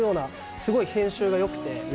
すごい編集が良くて。